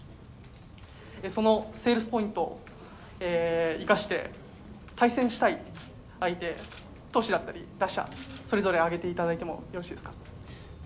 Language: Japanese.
そのセールスポイントを生かして、対戦したい相手投手だったり、打者、それぞれ挙げていただいてもよろしいですか？